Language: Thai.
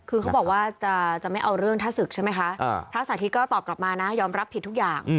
คือเขาบอกว่าจะไม่เอาเรื่องถ้าศึกใช่ไหมคะพระสาธิตก็ตอบกลับมานะยอมรับผิดทุกอย่าง